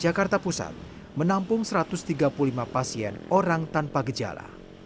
jakarta pusat menampung satu ratus tiga puluh lima pasien orang tanpa gejala